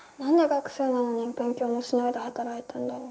学生なのに勉強もしないで働いてるんだろ。